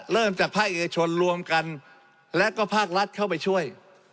เริ่มจากภาคเอกชนรวมกันและก็ภาครัฐเข้าไปช่วย